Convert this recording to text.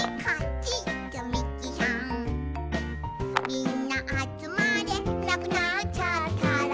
みんなあつまれ」「なくなっちゃったら」